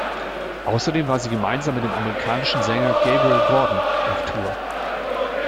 Außerdem war sie gemeinsam mit dem amerikanischen Sänger Gabriel Gordon auf Tour.